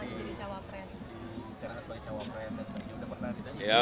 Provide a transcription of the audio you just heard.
bicara sebagai cawapres dan sebagainya udah pernah